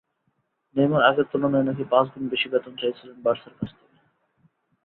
Neymar আগের তুলনায় নাকি পাঁচগুণ বেশি বেতন চাইছিলেন বার্সার কাছ থেকে।